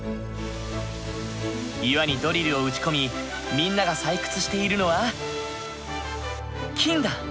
岩にドリルを打ち込みみんなが採掘しているのは金だ！